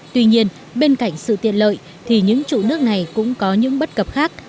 tuy nhiên bên cạnh sự tiện lợi thì những trụ nước này cũng có những bất cập khác